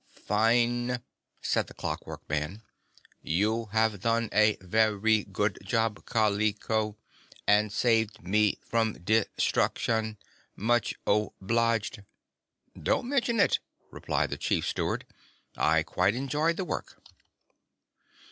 "Fine," said the Clockwork Man. "You have done a ve ry good job, Kal i ko, and saved me from de struc tion. Much o bliged." "Don't mention it," replied the Chief Steward. "I quite enjoyed the work."